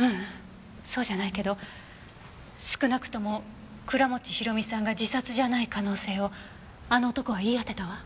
ううんそうじゃないけど少なくとも倉持広美さんが自殺じゃない可能性をあの男は言い当てたわ。